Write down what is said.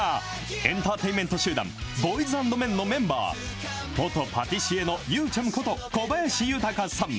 エンターテインメント集団、ボーイズアンドメンのメンバー、元パティシエのゆーちゃむこと、小林豊さん。